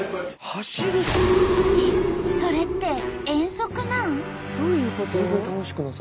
それって遠足なん？